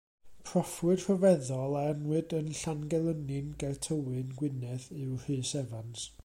Proffwyd rhyfeddol a anwyd yn Llangelynnin ger Tywyn, Gwynedd yw Rhys Evans.